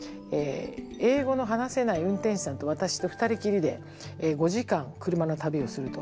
英語の話せない運転手さんと私と２人きりで５時間車の旅をすると。